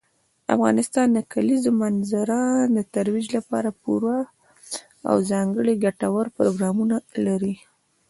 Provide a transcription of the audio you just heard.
افغانستان د کلیزو منظره د ترویج لپاره پوره او ځانګړي ګټور پروګرامونه لري.